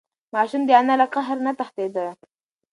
ماشوم د انا له قهر نه تښتېده.